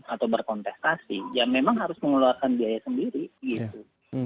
atau berkontestasi ya memang harus mengeluarkan biaya sendiri gitu